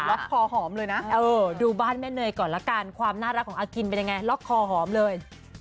คอหอมเลยนะดูบ้านแม่เนยก่อนละกันความน่ารักของอากินเป็นยังไงล็อกคอหอมเลย